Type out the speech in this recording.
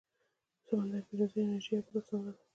د سمندر پیژندنې انجنیری یوه بله څانګه ده.